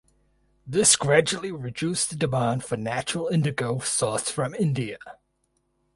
This gradually reduced the demand for natural Indigo sourced from India.